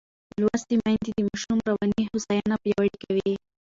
لوستې میندې د ماشوم رواني هوساینه پیاوړې کوي.